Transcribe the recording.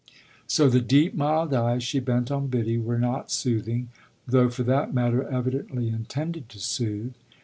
So the deep mild eyes she bent on Biddy were not soothing, though for that matter evidently intended to soothe.